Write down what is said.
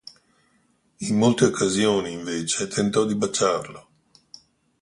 In molte occasioni, invece, tentò di baciarlo.